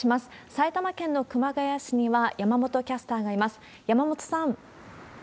埼玉県の熊谷市には山本キャスターがいます。